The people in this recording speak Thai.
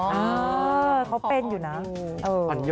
คะเขาเป้นน่ะ